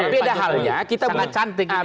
beda halnya kita belum hijab kabul